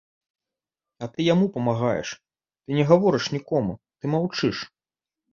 А ты яму памагаеш, ты не гаворыш нікому, ты маўчыш!